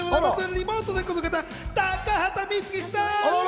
リモートでこの方、高畑充希さん。